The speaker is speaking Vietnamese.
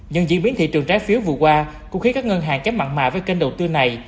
nhưng diễn biến thị trường trái phiếu vừa qua cũng khiến các ngân hàng chém mặn mạ với kênh đầu tư này